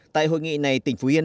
tại hội nghị này tỉnh phú yên